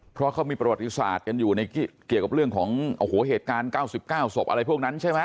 เพราะเขามีประวัติศาสตร์กันอยู่ในเกี่ยวกับเรื่องของโอ้โหเหตุการณ์๙๙ศพอะไรพวกนั้นใช่ไหม